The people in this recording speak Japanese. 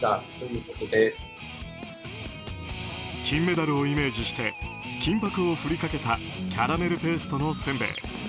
金メダルをイメージして金箔を振りかけたキャラメルペーストのせんべい